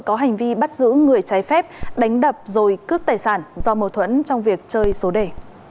có hành vi bắt giữ người trái phép đánh đập rồi cướp tài sản do mâu thuẫn trong việc chơi số đề